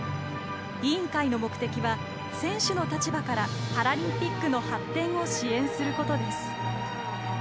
委員会の目的は選手の立場からパラリンピックの発展を支援することです。